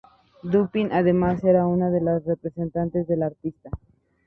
Dupin, además, era una de los representantes del artista.